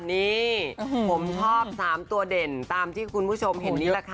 นี่ผมชอบ๓ตัวเด่นตามที่คุณผู้ชมเห็นนี่แหละค่ะ